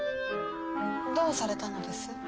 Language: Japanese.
どうされたのです？